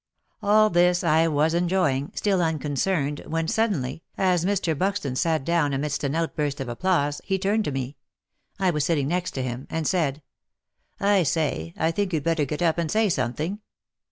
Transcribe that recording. All this I was enjoying — still unconcerned — when suddenly, as Mr. Buxton sat down amidst an outburst of applause, he turned to me — I was sitting next to him — and said, I say, I think you'd better get up and say something."